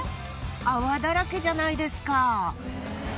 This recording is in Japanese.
泡だらけじゃないですか。